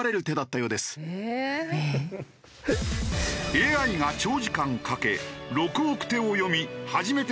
ＡＩが長時間かけ６億手を読み初めて最善手とわかる。